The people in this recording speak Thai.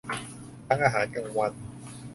ทั้งอาหารกลางวัน